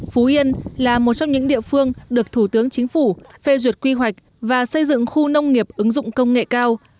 phú yên là một trong những địa phương được thủ tướng chính phủ phê duyệt quy hoạch và xây dựng khu nông nghiệp ứng dụng công nghệ cao